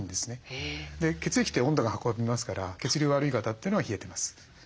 血液って温度が運びますから血流悪い方というのは冷えてます。